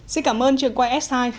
xin cảm ơn trường quay s hai